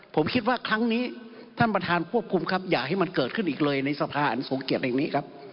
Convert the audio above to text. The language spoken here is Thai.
ผมคิดว่าครั้งนี้ท่านประธานควบคุมครับอย่าให้มันเกิดขึ้นอีกเลยในสภาอันทรงเกียจแห่งนี้ครับ